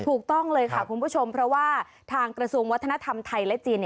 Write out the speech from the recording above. ถูกต้องเลยค่ะคุณผู้ชมเพราะว่าทางกระทรวงวัฒนธรรมไทยและจีน